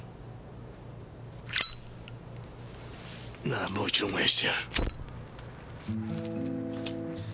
ならもう一度燃やしてやる。